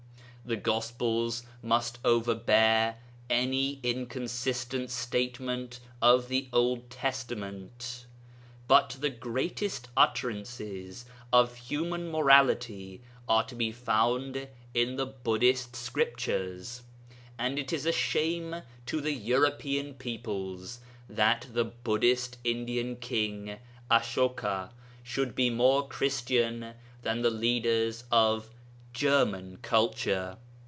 The Gospels must overbear any inconsistent statement of the Old Testament. But the greatest utterances of human morality are to be found in the Buddhist Scriptures, and it is a shame to the European peoples that the Buddhist Indian king Asoka should be more Christian than the leaders of 'German culture.'